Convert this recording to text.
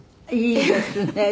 いいですね。